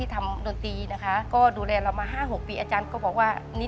ต้องบอกว่าไม่ไหวแล้วคราวนี้